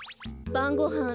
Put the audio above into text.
ばんごはん